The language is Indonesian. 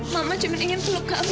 mama cuman ingin peluk kamu